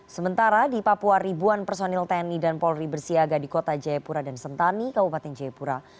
sementara di papua ribuan personil tni dan polri bersiaga di kota jayapura dan sentani kabupaten jayapura